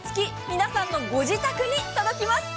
皆さんのご自宅に届きます。